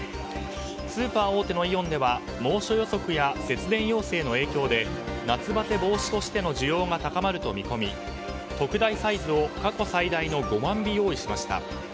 スーパー大手のイオンでは猛暑予測や節電要請の影響で夏バテ防止としての需要が高まると見込み特大サイズを過去最大の５万尾用意しました。